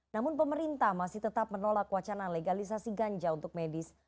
namun pemerintah masih tetap menolak wacana legalisasi ganja untuk medis